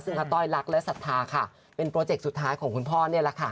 ซึ่งอาต้อยรักและศรัทธาค่ะเป็นโปรเจกต์สุดท้ายของคุณพ่อนี่แหละค่ะ